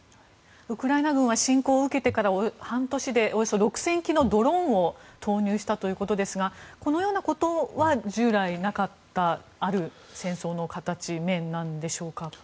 ウクライナ軍は侵攻を受けてから半年でおよそ６０００機のドローンを投入したということですがこのようなことは従来なかった戦争の形面なんでしょうか？